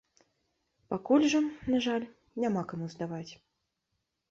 Пакуль жа, на жаль, няма каму здаваць.